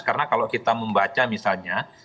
karena kalau kita membaca misalnya